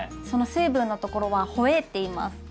その水分のところはホエーっていいます。